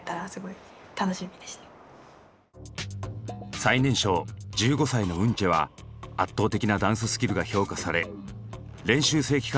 最年少１５歳のウンチェは圧倒的なダンススキルが評価され練習生期間